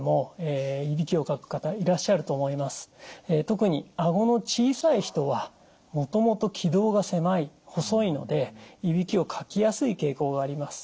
特にあごの小さい人はもともと気道が狭い細いのでいびきをかきやすい傾向があります。